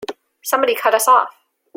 Somebody cut us off!